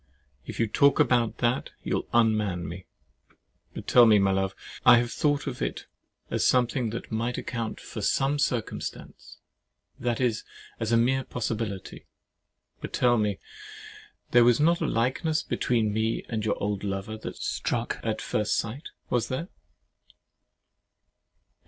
If you talk about that, you'll unman me. But tell me, my love,—I have thought of it as something that might account for some circumstances; that is, as a mere possibility. But tell me, there was not a likeness between me and your old lover that struck you at first sight? Was there?